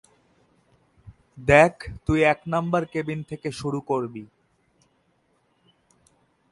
দেখ, তুই এক নাম্বার কেবিন থেকে শুরু করবি।